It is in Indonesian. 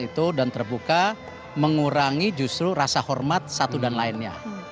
itu dan terbuka mengurangi justru rasa hormat satu dan lainnya